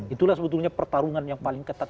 itulah sebetulnya pertarungan yang paling ketat